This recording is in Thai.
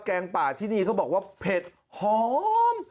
งป่าที่นี่เขาบอกว่าเผ็ดหอม